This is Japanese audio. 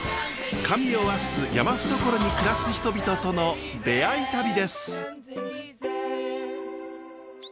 神おわす山懐に暮らす人々との出会い旅です。